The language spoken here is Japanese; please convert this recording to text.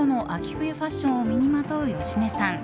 冬ファッションを身にまとう芳根さん。